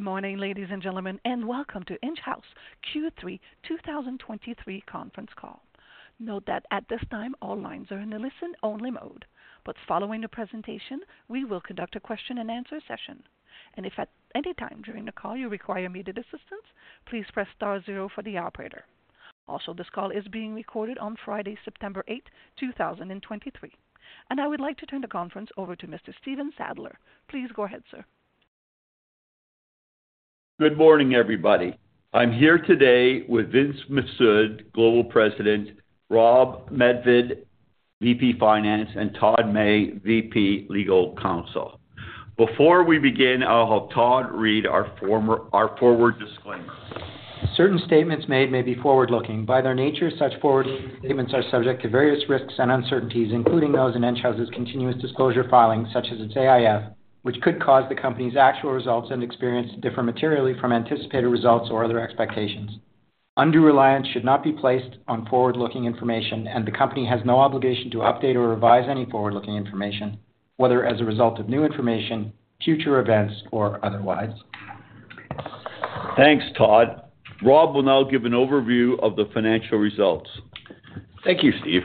Good morning, ladies and gentlemen, and welcome to Enghouse Q3 2023 conference call. Note that at this time, all lines are in a listen-only mode, but following the presentation, we will conduct a question-and-answer session. If at any time during the call you require immediate assistance, please press star zero for the operator. Also, this call is being recorded on Friday, September 8th 2023. I would like to turn the conference over to Mr. Stephen Sadler. Please go ahead, sir. Good morning, everybody. I'm here today with Vince Mifsud, Global President, Rob Medved, VP of Finance, and Todd May, VP of Legal Counsel. Before we begin, I'll have Todd read our forward disclaimer. Certain statements made may be forward-looking. By their nature, such forward-looking statements are subject to various risks and uncertainties, including those in Enghouse's continuous disclosure filings, such as its AIF, which could cause the Company's actual results and experience to differ materially from anticipated results or other expectations. Undue reliance should not be placed on forward-looking information, and the company has no obligation to update or revise any forward-looking information, whether as a result of new information, future events, or otherwise. Thanks, Todd. Rob will now give an overview of the financial results. Thank you, Steve.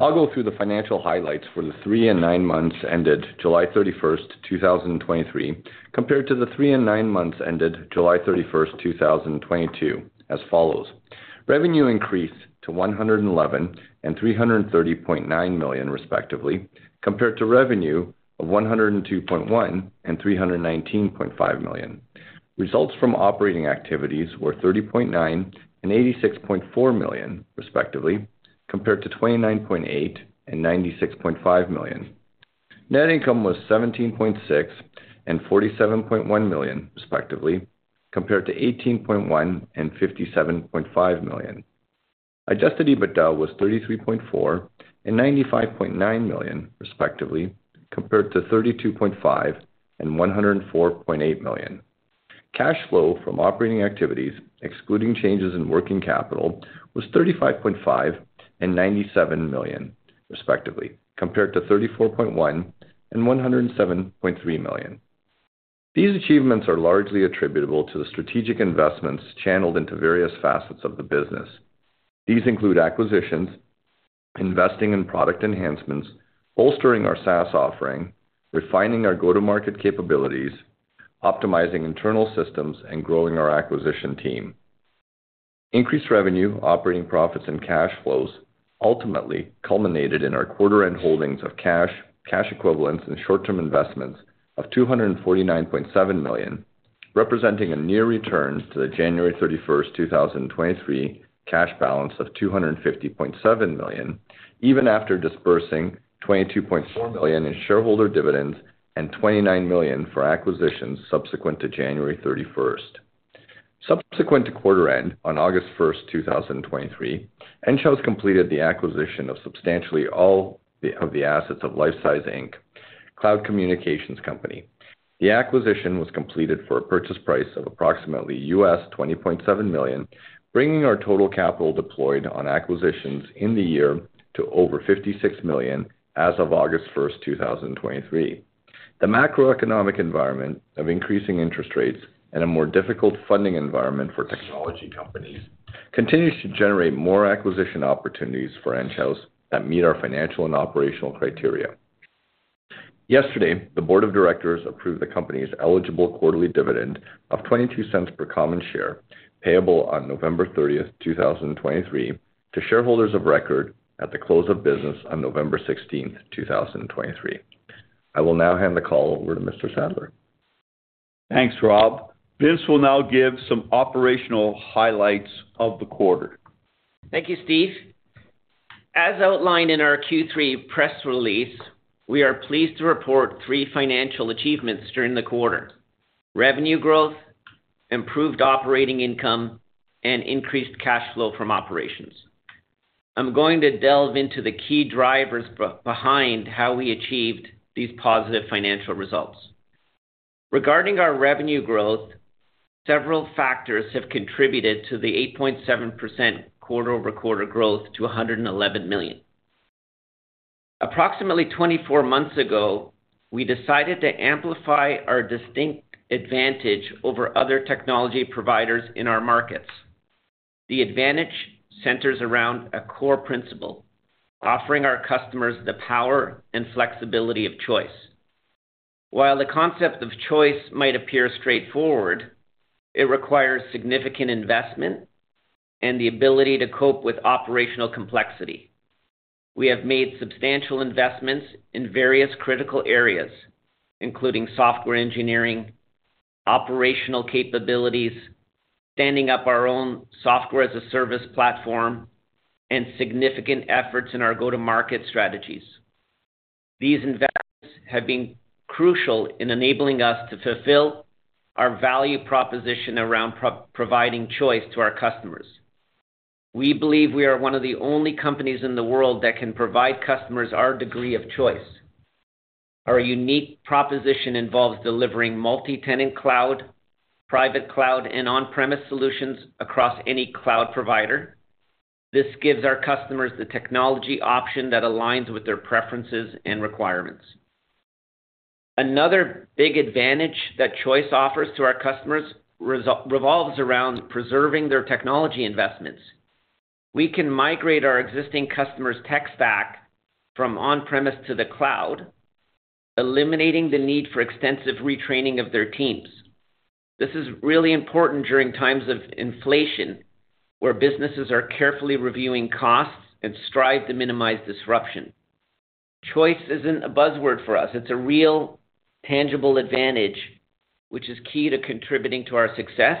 I'll go through the financial highlights for the three and nine months ended July 31, 2023, compared to the three and nine months ended July 31, 2022, as follows: Revenue increased to 111.0 million and 330.9 million, respectively, compared to revenue of 102.1 million and 319.5 million. Results from operating activities were 30.9 million and 86.4 million, respectively, compared to 29.8 million and 96.5 million. Net income was 17.6 million and 47.1 million, respectively, compared to 18.1 million and 57.5 million. Adjusted EBITDA was 33.4 million and 95.9 million, respectively, compared to 32.5 million and 104.8 million. Cash flow from operating activities, excluding changes in working capital, was 35.5 million and 97 million, respectively, compared to 34.1 million and 107.3 million. These achievements are largely attributable to the strategic investments channeled into various facets of the business. These include acquisitions, investing in product enhancements, bolstering our SaaS offering, refining our go-to-market capabilities, optimizing internal systems, and growing our acquisition team. Increased revenue, operating profits, and cash flows ultimately culminated in our quarter-end holdings of cash, cash equivalents, and short-term investments of 249.7 million, representing a near return to the January 31, 2023, cash balance of 250.7 million, even after disbursing 22.4 million in shareholder dividends and 29 million for acquisitions subsequent to January 31 2023. Subsequent to quarter end, on August 1, 2023, Enghouse completed the acquisition of substantially all the assets of Lifesize, Inc., cloud communications company. The acquisition was completed for a purchase price of approximately $20.7 million, bringing our total capital deployed on acquisitions in the year to over 56.0 million as of August 1, 2023. The macroeconomic environment of increasing interest rates and a more difficult funding environment for technology companies continues to generate more acquisition opportunities for Enghouse that meet our financial and operational criteria. Yesterday, the Board of Directors approved the company's eligible quarterly dividend of 0.22 per common share, payable on November 30, 2023, to shareholders of record at the close of business on November 16, 2023. I will now hand the call over to Mr. Sadler. Thanks, Rob. Vince will now give some operational highlights of the quarter. Thank you, Steve. As outlined in our Q3 press release, we are pleased to report three financial achievements during the quarter: revenue growth, improved operating income, and increased cash flow from operations. I'm going to delve into the key drivers behind how we achieved these positive financial results. Regarding our revenue growth, several factors have contributed to the 8.7% quarter-over-quarter growth to 111.0 million. Approximately 24 months ago, we decided to amplify our distinct advantage over other technology providers in our markets. The advantage centers around a core principle, offering our customers the power and flexibility of choice. While the concept of choice might appear straightforward, it requires significant investment and the ability to cope with operational complexity. We have made substantial investments in various critical areas, including software engineering, operational capabilities, standing up our own software-as-a-service platform, and significant efforts in our go-to-market strategies. These investments have been crucial in enabling us to fulfill our value proposition around providing choice to our customers. We believe we are one of the only companies in the world that can provide customers our degree of choice. Our unique proposition involves delivering multi-tenant cloud, private cloud, and on-premise solutions across any cloud provider. This gives our customers the technology option that aligns with their preferences and requirements. Another big advantage that choice offers to our customers revolves around preserving their technology investments. We can migrate our existing customers' tech stack from on-premise to the cloud, eliminating the need for extensive retraining of their teams. This is really important during times of inflation, where businesses are carefully reviewing costs and strive to minimize disruption. Choice isn't a buzzword for us. It's a real, tangible advantage, which is key to contributing to our success,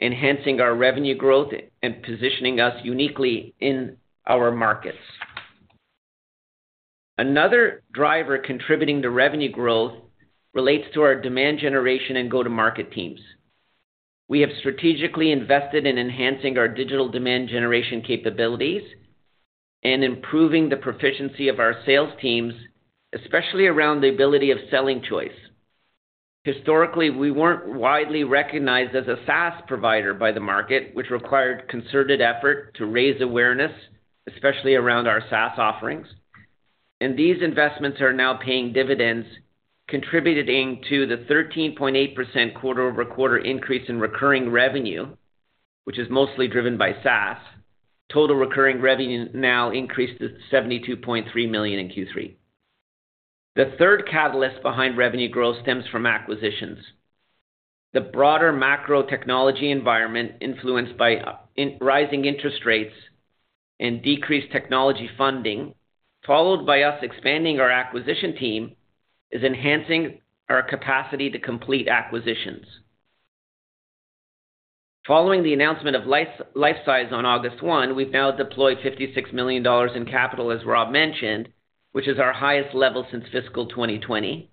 enhancing our revenue growth, and positioning us uniquely in our markets. Another driver contributing to revenue growth relates to our demand generation and go-to-market teams. We have strategically invested in enhancing our digital demand generation capabilities and improving the proficiency of our sales teams, especially around the ability of selling choice. Historically, we weren't widely recognized as a SaaS provider by the market, which required concerted effort to raise awareness, especially around our SaaS offerings. These investments are now paying dividends, contributing to the 13.8% quarter-over-quarter increase in recurring revenue, which is mostly driven by SaaS. Total recurring revenue now increased to 72.3 million in Q3. The third catalyst behind revenue growth stems from acquisitions. The broader macro technology environment, influenced by rising interest rates and decreased technology funding, followed by us expanding our acquisition team, is enhancing our capacity to complete acquisitions. Following the announcement of Lifesize on August 1 2023, we've now deployed 56.0 million dollars in capital, as Rob mentioned, which is our highest level since fiscal 2020,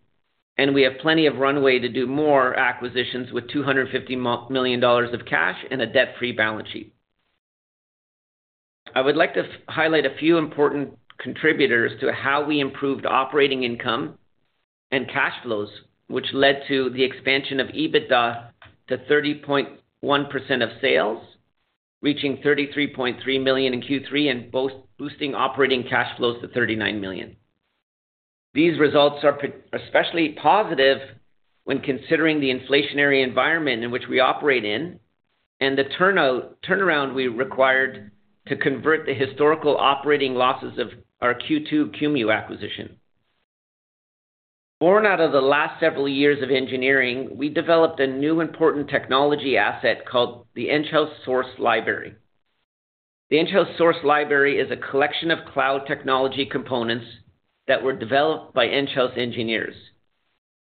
and we have plenty of runway to do more acquisitions with 250.0 million dollars of cash and a debt-free balance sheet. I would like to highlight a few important contributors to how we improved operating income and cash flows, which led to the expansion of EBITDA to 30.1% of sales, reaching 33.3 million in Q3, and both boosting operating cash flows to 39.0 million. These results are especially positive when considering the inflationary environment in which we operate in, and the turnaround we required to convert the historical operating losses of our Q2 Qumu acquisition. Born out of the last several years of engineering, we developed a new important technology asset called the Enghouse Source Library. The Enghouse Source Library is a collection of cloud technology components that were developed by Enghouse engineers,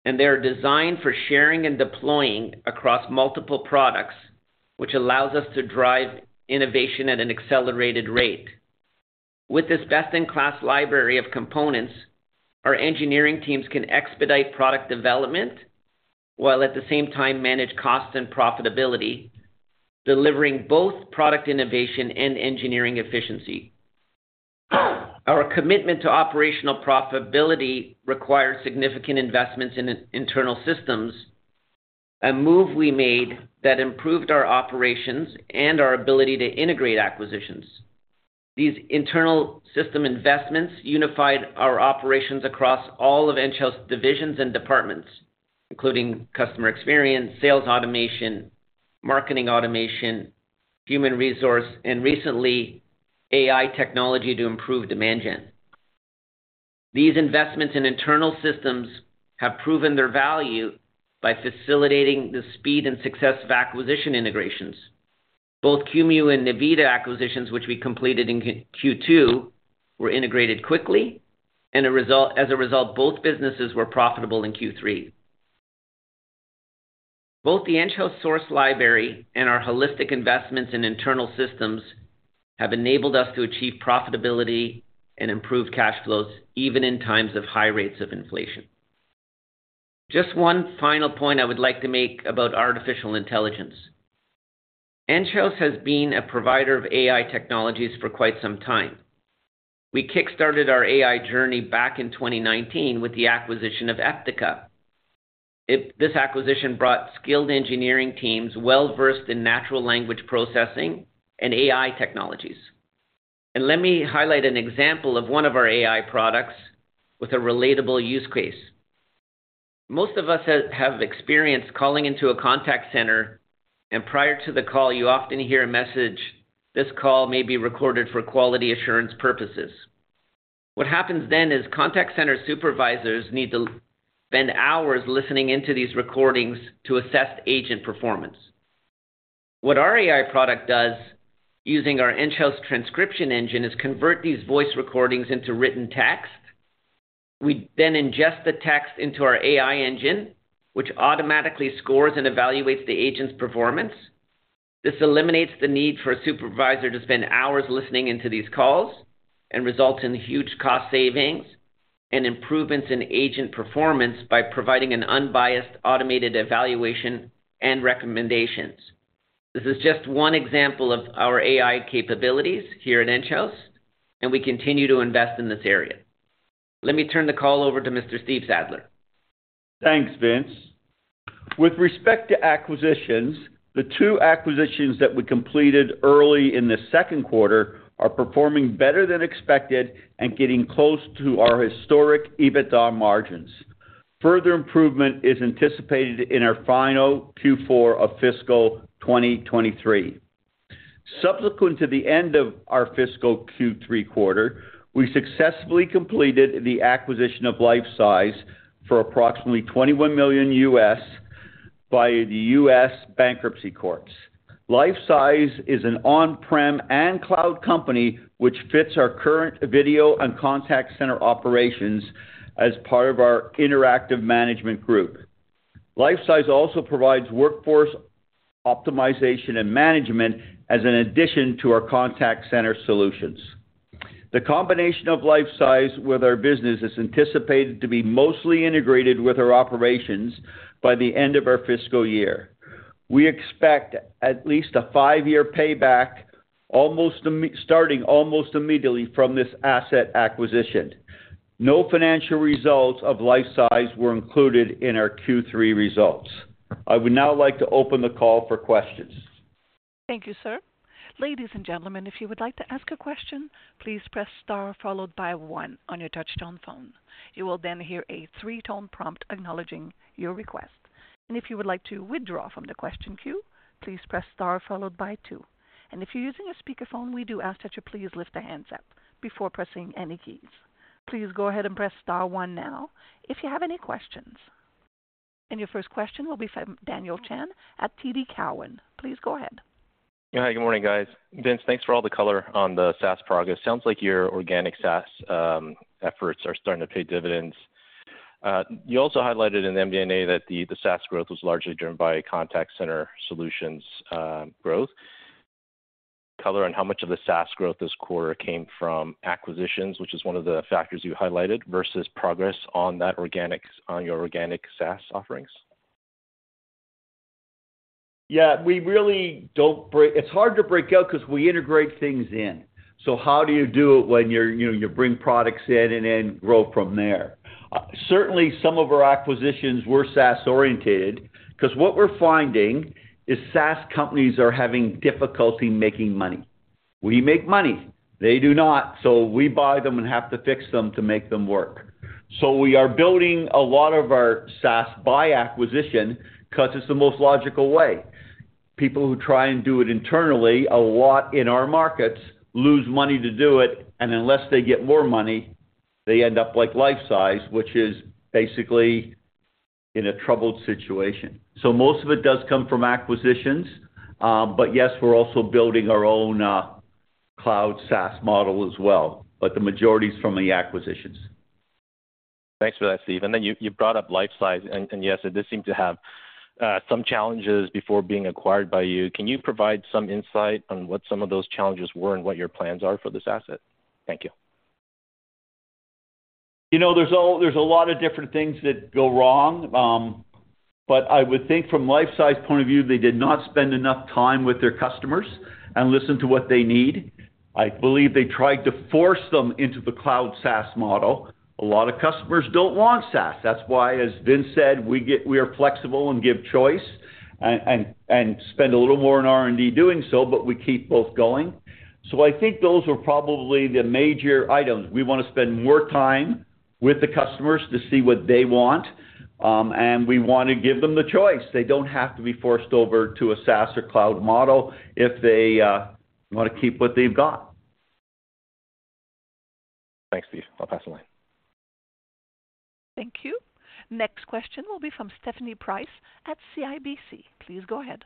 and they are designed for sharing and deploying across multiple products, which allows us to drive innovation at an accelerated rate. With this best-in-class library of components, our engineering teams can expedite product development, while at the same time manage cost and profitability, delivering both product innovation and engineering efficiency. Our commitment to operational profitability requires significant investments in internal systems, a move we made that improved our operations and our ability to integrate acquisitions. These internal system investments unified our operations across all of Enghouse divisions and departments, including customer experience, sales automation, marketing automation, human resource, and recently, AI technology to improve demand gen. These investments in internal systems have proven their value by facilitating the speed and success of acquisition integrations. Both Qumu and Navita acquisitions, which we completed in Q2, were integrated quickly, and as a result, both businesses were profitable in Q3. Both the Enghouse Source Library and our holistic investments in internal systems have enabled us to achieve profitability and improve cash flows, even in times of high rates of inflation. Just one final point I would like to make about artificial intelligence. Enghouse has been a provider of AI technologies for quite some time. We kickstarted our AI journey back in 2019 with the acquisition of Eptica. This acquisition brought skilled engineering teams, well-versed in natural language processing and AI technologies. And let me highlight an example of one of our AI products with a relatable use case. Most of us have experienced calling into a contact center, and prior to the call, you often hear a message, "This call may be recorded for quality assurance purposes." What happens then is contact center supervisors need to spend hours listening into these recordings to assess agent performance. What our AI product does, using our Enghouse transcription engine, is convert these voice recordings into written text. We then ingest the text into our AI engine, which automatically scores and evaluates the agent's performance. This eliminates the need for a supervisor to spend hours listening into these calls and results in huge cost savings and improvements in agent performance by providing an unbiased, automated evaluation and recommendations. This is just one example of our AI capabilities here at Enghouse, and we continue to invest in this area. Let me turn the call over to Mr. Stephen Sadler. ...Thanks, Vince. With respect to acquisitions, the two acquisitions that we completed early in the second quarter are performing better than expected and getting close to our historic EBITDA margins. Further improvement is anticipated in our final Q4 of fiscal 2023. Subsequent to the end of our fiscal Q3, we successfully completed the acquisition of Lifesize for approximately $21.0 million by the U.S. Bankruptcy Court. Lifesize is an on-premise and cloud company, which fits our current video and contact center operations as part of our Interactive Management Group. Lifesize also provides workforce optimization and management as an addition to our contact center solutions. The combination of Lifesize with our business is anticipated to be mostly integrated with our operations by the end of our fiscal year. We expect at least a five-year payback, starting almost immediately from this asset acquisition. No financial results of Lifesize were included in our Q3 results. I would now like to open the call for questions. Thank you, sir. Ladies and gentlemen, if you would like to ask a question, please press star followed by one on your touchtone phone. You will then hear a three-tone prompt acknowledging your request. If you would like to withdraw from the question queue, please press star followed by two. If you're using a speakerphone, we do ask that you please lift the handset before pressing any keys. Please go ahead and press star one now, if you have any questions. Your first question will be from Daniel Chan at TD Cowen. Please go ahead. Yeah. Good morning, guys. Vince, thanks for all the color on the SaaS progress. Sounds like your organic SaaS efforts are starting to pay dividends. You also highlighted in the MD&A that the SaaS growth was largely driven by contact center solutions growth. Color on how much of the SaaS growth this quarter came from acquisitions, which is one of the factors you highlighted, versus progress on your organic SaaS offerings? Yeah, we really don't break... It's hard to break out because we integrate things in. So how do you do it when you're, you know, you bring products in and then grow from there? Certainly, some of our acquisitions were SaaS-oriented, because what we're finding is SaaS companies are having difficulty making money. We make money, they do not. So we buy them and have to fix them to make them work. So we are building a lot of our SaaS by acquisition, because it's the most logical way. People who try and do it internally, a lot in our markets, lose money to do it, and unless they get more money, they end up like Lifesize, which is basically in a troubled situation. Most of it does come from acquisitions, but yes, we're also building our own cloud SaaS model as well, but the majority is from the acquisitions. Thanks for that, Steve. And then you, you brought up Lifesize, and, and yes, it does seem to have some challenges before being acquired by you. Can you provide some insight on what some of those challenges were and what your plans are for this asset? Thank you. You know, there's a lot of different things that go wrong, but I would think from Lifesize's point of view, they did not spend enough time with their customers and listen to what they need. I believe they tried to force them into the cloud SaaS model. A lot of customers don't want SaaS. That's why, as Vince said, we are flexible and give choice and spend a little more in R&D doing so, but we keep both going. So I think those are probably the major items. We want to spend more time with the customers to see what they want, and we want to give them the choice. They don't have to be forced over to a SaaS or cloud model if they want to keep what they've got. Thanks, Steve. I'll pass the line. Thank you. Next question will be from Stephanie Price at CIBC. Please go ahead.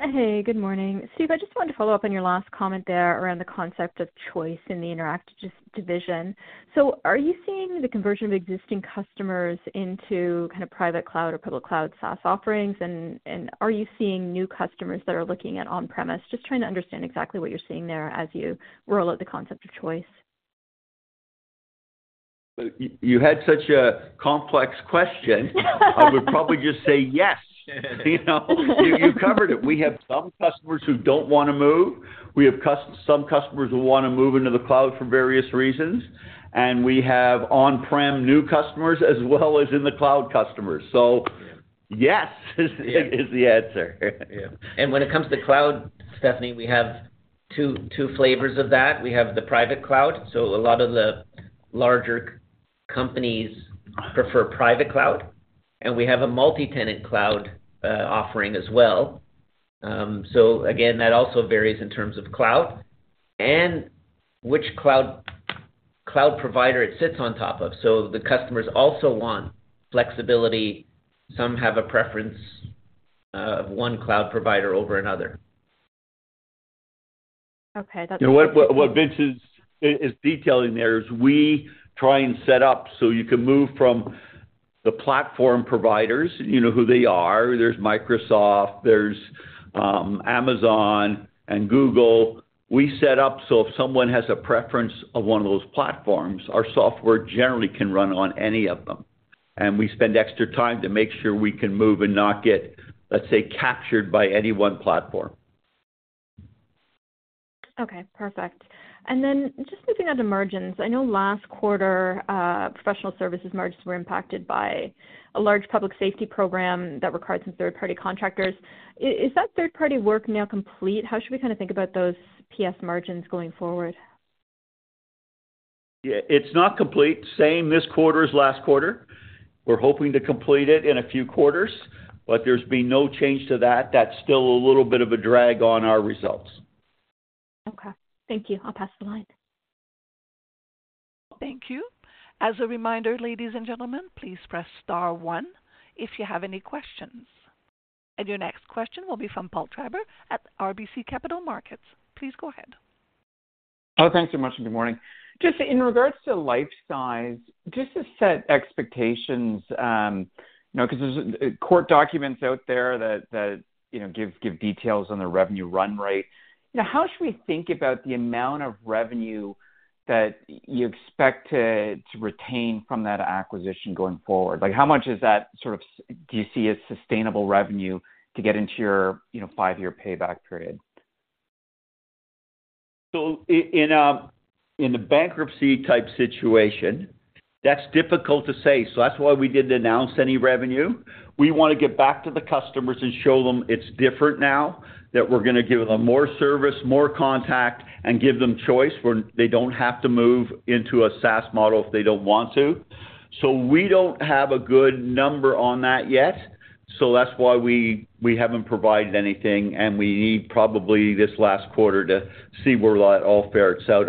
Hey, good morning. Steve, I just wanted to follow up on your last comment there around the concept of choice in the interactive division. So are you seeing the conversion of existing customers into kind of private cloud or public cloud SaaS offerings? And, and are you seeing new customers that are looking at on-premise? Just trying to understand exactly what you're seeing there as you roll out the concept of choice. You had such a complex question. I would probably just say yes. You know, you covered it. We have some customers who don't want to move. We have some customers who want to move into the cloud for various reasons, and we have on-premise new customers as well as in the cloud customers. So yes is the answer. Yeah. And when it comes to cloud, Stephanie, we have two, two flavors of that. We have the private cloud, so a lot of the larger companies prefer private cloud, and we have a multi-tenant cloud offering as well. So again, that also varies in terms of cloud and which cloud provider it sits on top of. The customers also want flexibility. Some have a preference of one cloud provider over another. Okay, that's- And what Vince is detailing there is, we try and set up so you can move from the platform providers. You know who they are. There's Microsoft, there's Amazon and Google. We set up, so if someone has a preference of one of those platforms, our software generally can run on any of them, and we spend extra time to make sure we can move and not get, let's say, captured by any one platform.... Okay, perfect. And then just moving on to margins. I know last quarter, professional services margins were impacted by a large public safety program that required some third-party contractors. Is that third-party work now complete? How should we kind of think about those PS margins going forward? Yeah, it's not complete. Same this quarter as last quarter. We're hoping to complete it in a few quarters, but there's been no change to that. That's still a little bit of a drag on our results. Okay, thank you. I'll pass the line. Thank you. As a reminder, ladies and gentlemen, please press star one if you have any questions. Your next question will be from Paul Treiber at RBC Capital Markets. Please go ahead. Oh, thanks so much, and good morning. Just in regards to Lifesize, just to set expectations, you know, because there's court documents out there that you know, give details on the revenue run rate. You know, how should we think about the amount of revenue that you expect to retain from that acquisition going forward? Like, how much is that sort of, do you see as sustainable revenue to get into your, you know, five-year payback period? In the bankruptcy-type situation, that's difficult to say. So that's why we didn't announce any revenue. We want to get back to the customers and show them it's different now, that we're going to give them more service, more contact, and give them choice, where they don't have to move into a SaaS model if they don't want to. So we don't have a good number on that yet, so that's why we haven't provided anything, and we need probably this last quarter to see where that all pans out.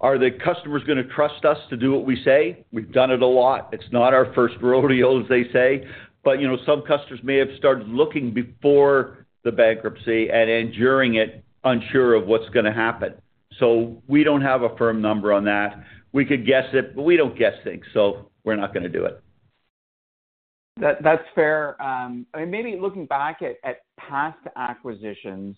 Are the customers going to trust us to do what we say? We've done it a lot. It's not our first rodeo, as they say, but you know, some customers may have started looking before the bankruptcy and during it, unsure of what's going to happen. So we don't have a firm number on that. We could guess it, but we don't guess things, so we're not going to do it. That, that's fair. And maybe looking back at past acquisitions,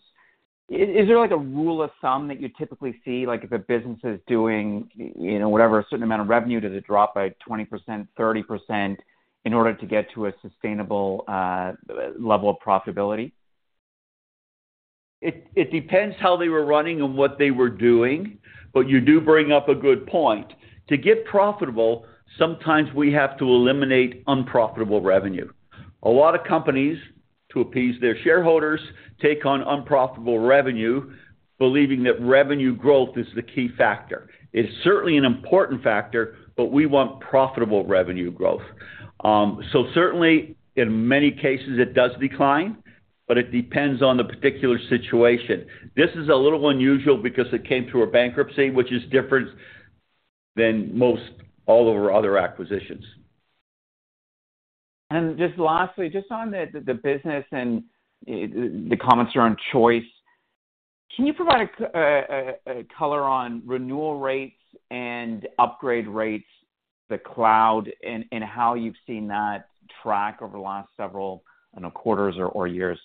is there like a rule of thumb that you typically see, like, if a business is doing, you know, whatever, a certain amount of revenue, does it drop by 20%-30%, in order to get to a sustainable level of profitability? It depends how they were running and what they were doing, but you do bring up a good point. To get profitable, sometimes we have to eliminate unprofitable revenue. A lot of companies, to appease their shareholders, take on unprofitable revenue, believing that revenue growth is the key factor. It's certainly an important factor, but we want profitable revenue growth. So certainly in many cases it does decline, but it depends on the particular situation. This is a little unusual because it came through a bankruptcy, which is different than most all of our other acquisitions. Just lastly, just on the business and the comments around choice, can you provide a color on renewal rates and upgrade rates, the cloud, and how you've seen that track over the last several, I don't know, quarters or years?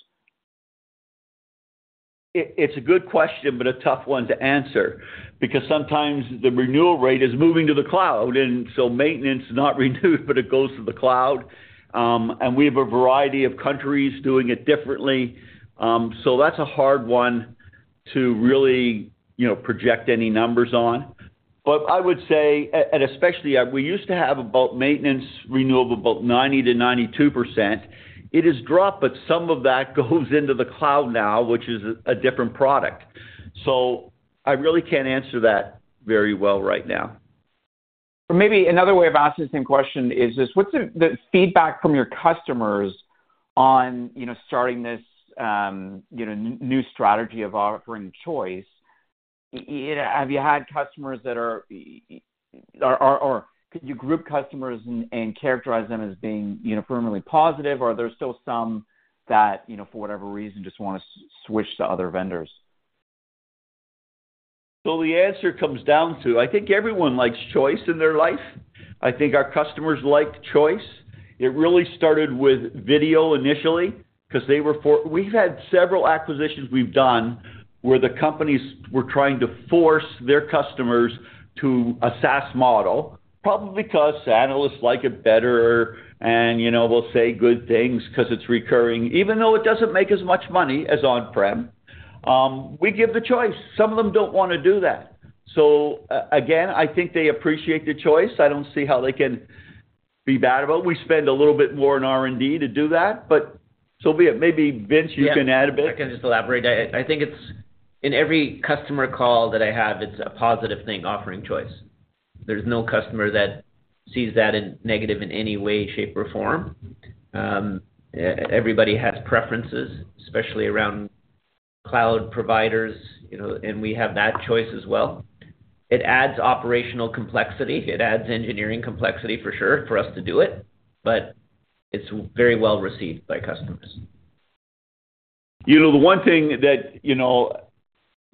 It's a good question, but a tough one to answer, because sometimes the renewal rate is moving to the cloud, and so maintenance is not renewed, but it goes to the cloud. And we have a variety of countries doing it differently. So that's a hard one to really, you know, project any numbers on. But I would say, and especially, we used to have about maintenance renewable, about 90%-92%. It has dropped, but some of that goes into the cloud now, which is a different product. So I really can't answer that very well right now. So maybe another way of asking the same question is this: What's the feedback from your customers on, you know, starting this new strategy of offering choice? Have you had customers that are... Or could you group customers and characterize them as being, you know, firmly positive? Or are there still some that, you know, for whatever reason, just want to switch to other vendors? Well, the answer comes down to, I think everyone likes choice in their life. I think our customers like choice. It really started with video initially, because they were. We've had several acquisitions we've done, where the companies were trying to force their customers to a SaaS model, probably because analysts like it better and, you know, will say good things because it's recurring, even though it doesn't make as much money as on-premise. We give the choice. Some of them don't want to do that. So again, I think they appreciate the choice. I don't see how they can be bad about it. We spend a little bit more on R&D to do that, but so be it. Maybe, Vince, you can add a bit. Yeah, I can just elaborate. I think it's in every customer call that I have, it's a positive thing, offering choice. There's no customer that sees that in negative in any way, shape, or form. Everybody has preferences, especially around cloud providers, you know, and we have that choice as well. It adds operational complexity, it adds engineering complexity for sure, for us to do it, but it's very well received by customers. You know, the one thing that, you know,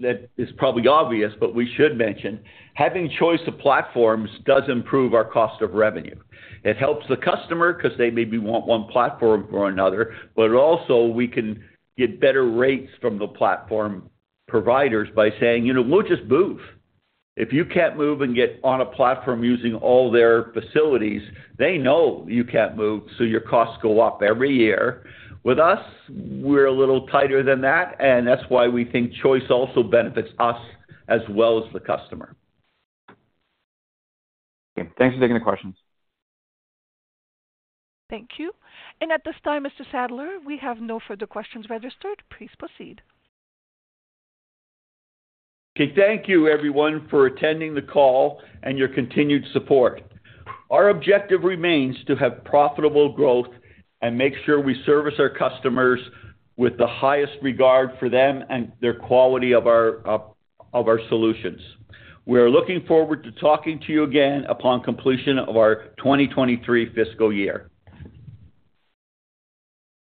that is probably obvious, but we should mention, having choice of platforms does improve our cost of revenue. It helps the customer because they maybe want one platform or another, but also we can get better rates from the platform providers by saying: You know, we'll just move. If you can't move and get on a platform using all their facilities, they know you can't move, so your costs go up every year. With us, we're a little tighter than that, and that's why we think choice also benefits us as well as the customer. Okay. Thanks for taking the questions. Thank you. At this time, Mr. Sadler, we have no further questions registered. Please proceed. Okay, thank you everyone for attending the call and your continued support. Our objective remains to have profitable growth and make sure we service our customers with the highest regard for them and their quality of our of our solutions. We are looking forward to talking to you again upon completion of our 2023 fiscal year.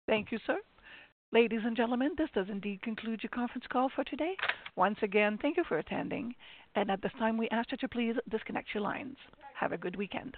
Thank you, sir. Ladies and gentlemen, this does indeed conclude your conference call for today. Once again, thank you for attending, and at this time, we ask you to please disconnect your lines. Have a good weekend.